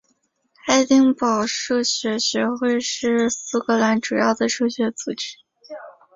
爱丁堡数学学会是苏格兰主要的数学组织。